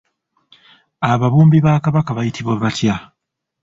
Ababumbi ba Kabaka bayitibwa batya?